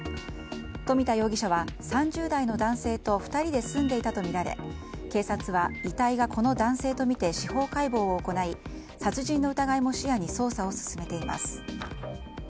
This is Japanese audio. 富田容疑者は、３０代の男性と２人で住んでいたとみられ警察は、遺体がこの男性とみて司法解剖を行い殺人の疑いも視野に捜査を進めています。